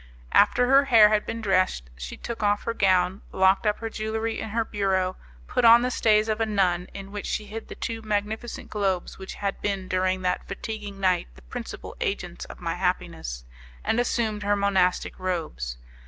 After her hair had been dressed, she took off her gown, locked up her jewellery in her bureau, put on the stays of a nun, in which she hid the two magnificent globes which had been during that fatiguing night the principal agents of my happiness, and assumed her monastic robes.